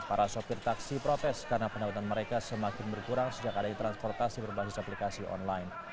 para sopir taksi protes karena pendapatan mereka semakin berkurang sejak ada transportasi berbasis aplikasi online